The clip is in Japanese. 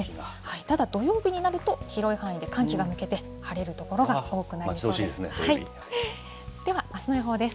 ただ、土曜日になると、広い範囲で寒気が抜けて、晴れる所が多くなりそうです。